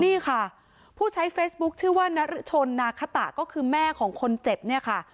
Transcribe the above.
นี่ค่ะผู้ใช้เฟซบุ๊คชื่อว่านรชนนาคตะก็คือแม่ของคนเจ็บเนี่ยค่ะ